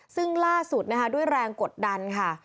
ซึ่งล่าสุดนะคะด้วยแรงกดดันค่ะ